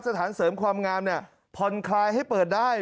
สถานเสริมความงามผ่อนคลายให้เปิดได้